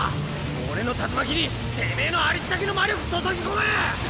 俺の竜巻にてめぇのありったけの魔力注ぎ込め！